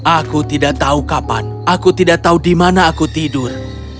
aku tidak tahu kapan aku tidak tahu di mana aku tidur